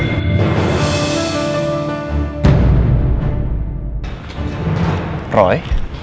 ya saya mau pake